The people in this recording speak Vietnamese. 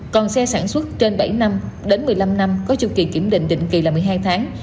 còn xe sản xuất trên bảy năm đến một mươi năm năm có chu kỳ kiểm định định kỳ là một mươi hai tháng